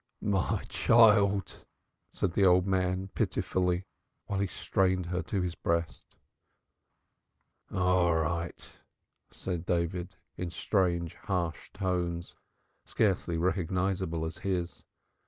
"My child!" said the old man pitifully, while he strained her to his breast. "All right!" said David in strange harsh tones, scarcely recognizable as his.